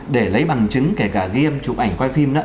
để lấy bằng chứng kể cả game chụp ảnh quay phim